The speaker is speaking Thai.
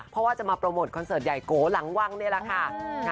เพราะว่าจะมาโปรโมทคอนเสิร์ตใหญ่โกหลังวังนี่แหละค่ะ